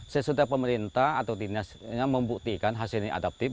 sesudah pemerintah atau dinas membuktikan hasilnya adaptif